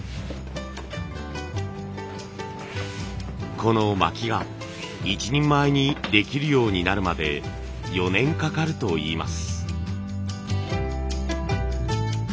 この巻きが一人前にできるようになるまで４年かかるといいます。